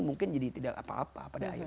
mungkin jadi tidak apa apa pada akhirnya